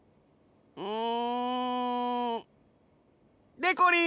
でこりん！